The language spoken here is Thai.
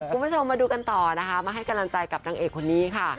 คุณผู้ชมมาดูกันต่อนะคะมาให้กำลังใจกับนางเอกคนนี้ค่ะ